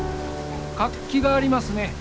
活気がありますね。